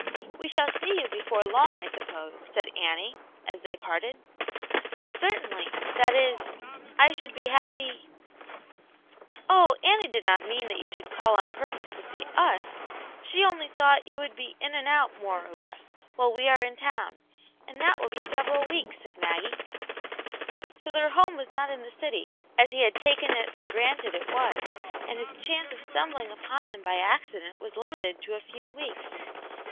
'• We shall see you before long, I suppose," said Annie, as they parted. " Certainly ; that is — I should be happy "" Oh ! Annie did not mean that you should call on purpose to see us. She only thought y^^ "v^viA. be in and out more or less, whik nv^ ^x^ Y^\.o^Ti> "wn.^ 54 Aunt Jane's Herd. that will be several weeks/* said Maggie. So their home was not in the city, as he had taken it for granted it was, and his chance of stumbling upon them by accident was limited to a few weeks.